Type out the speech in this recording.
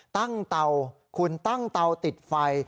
เตาคุณตั้งเตาติดไฟ